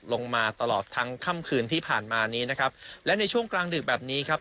ลงมาตลอดทั้งค่ำคืนที่ผ่านมานี้นะครับและในช่วงกลางดึกแบบนี้ครับ